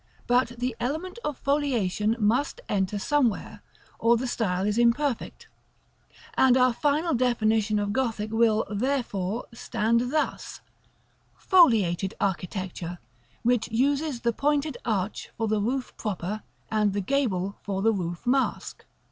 But the element of foliation must enter somewhere, or the style is imperfect. And our final definition of Gothic will, therefore, stand thus: "Foliated Architecture, which uses the pointed arch for the roof proper, and the gable for the roof mask."